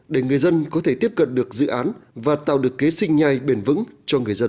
để người dân có thể tiếp cận được dự án và tạo được kế sinh nhai bền vững cho người dân